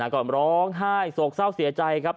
ก่อนร้องไห้โศกเศร้าเสียใจครับ